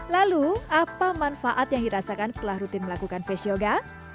lalu apa manfaat yang dirasakan setelah rutin melakukan face yoga